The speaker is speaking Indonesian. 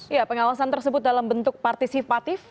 ya pengawasan tersebut dalam bentuk partisipatif